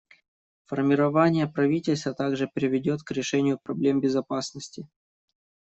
Формирование правительства также приведет к решению проблем безопасности.